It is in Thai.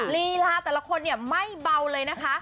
ลีลาแต่ละคนเนี่ยไม่เบาเลยนะคะ